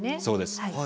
そうです。